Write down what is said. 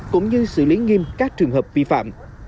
cũng như xử lý nghiêm các trường hợp vi phạm